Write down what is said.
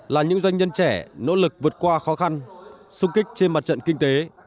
là những doanh nhân trẻ nỗ lực vượt qua khó khăn xung kích trên mặt trận kinh tế